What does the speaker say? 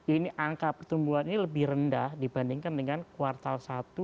ini angka pertumbuhan ini lebih rendah dibandingkan dengan kuartal satu dua ribu sembilan belas